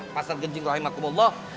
pasal gencing rahimahkumullah